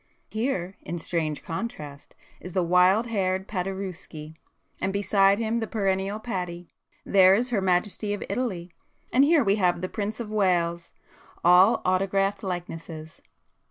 Here in strange contrast, is the wild haired Paderewski,—and beside him the perennial Patti,—there is Her Majesty of Italy, and here we have the Prince of Wales,—all autographed likenesses.